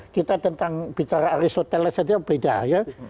kita tentang bitarra aristoteles itu beda ya